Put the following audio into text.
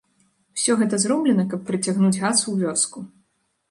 Усё гэта зроблена, каб прыцягнуць газ у вёску.